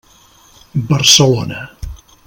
Barcelona.